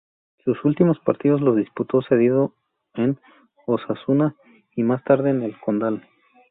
Sus últimos partidos los disputó cedido en Osasuna y más tarde en el Condal.